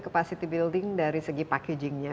capacity building dari segi packagingnya